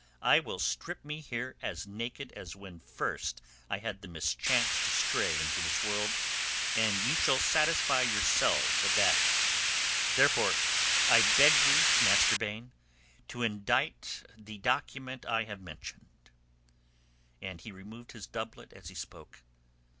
I will strip me here as naked as when first I had the mischance to stray into this world, and you shall satisfy yourselves of that. Thereafter I shall beg you, Master Baine, to indite the document I have mentioned." And he removed his doublet as he spoke.